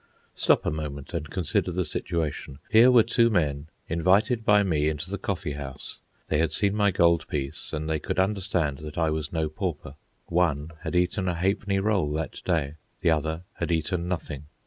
Stop a moment, and consider the situation. Here were two men, invited by me into the coffee house. They had seen my gold piece, and they could understand that I was no pauper. One had eaten a ha'penny roll that day, the other had eaten nothing.